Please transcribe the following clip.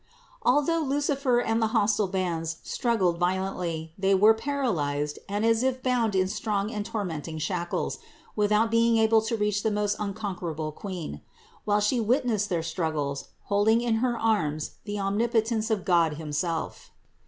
Although Lucifer and the hostile bands struggled violently, they were paralyzed and as if bound in strong and tormenting shackles, without being able to reach the most unconquer able Queen ; while She witnessed their struggles, holding 556 CITY OF GOD in her arms the omnipotence of God himself.